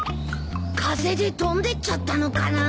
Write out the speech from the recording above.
風で飛んでっちゃったのかな。